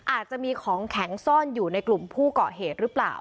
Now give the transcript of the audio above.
อาจจะมีของแข็งซ่อนอยู่ในกลุ่มผู้เกาะเหตุหรือเปล่า